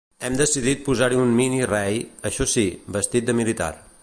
Hem decidit posar un mini-rei, això sí, vestit de militar.